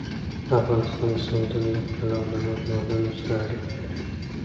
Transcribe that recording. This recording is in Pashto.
افغانستان د سیندونه له پلوه له نورو هېوادونو سره اړیکې لري.